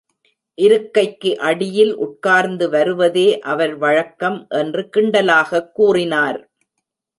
இருக்கைக்கு அடியில் உட்கார்ந்து வருவதே அவர் வழக்கம் என்று கிண்டலாகக் கூறினார்.